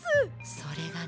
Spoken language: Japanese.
それがね。